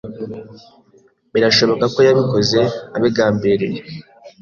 Birashoboka ko yabikoze abigambiriye.